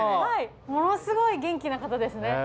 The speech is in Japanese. ものすごい元気な方ですね。